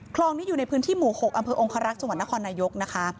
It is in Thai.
คลองนี้อยู่ในพื้นที่หมู่๖อำเภอองคารักษ์จังหวัดนครนายกนะคะ